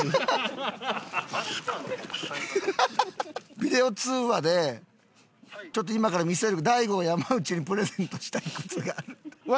ビデオ通話でちょっと今から見せる大悟が山内にプレゼントしたい靴がある。